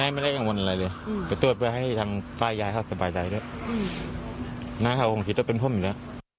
ไม่ไม่ได้กังวลอะไรเลยจะตรวจไปให้ทางฝ่ายยายเขาสบายใจด้วยนะครับผมคิดว่าต้องเป็นพ่นอยู่แล้ว